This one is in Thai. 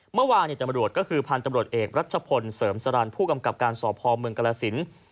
เมื่อวานตำรวจก็คือพันธุ์ตำรวจเอกรัชพลเสริมสรรค์ผู้กำกับการสอบภอมเมืองกรสิน